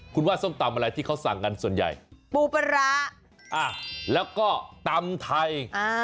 คุณว่าส้มตำอะไรที่เขาสั่งกันส่วนใหญ่ปูปลาร้าแล้วก็ตำไทย